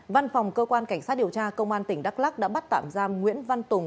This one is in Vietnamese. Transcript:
văn phòng cơ quan cảnh sát điều tra công an tỉnh đắk lắc đã bắt tạm giam nguyễn văn tùng